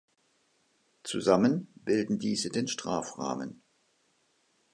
Zusammen bilden diese den Strafrahmen.